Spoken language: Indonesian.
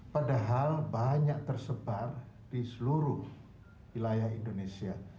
padahal banyak tersebar di seluruh wilayah indonesia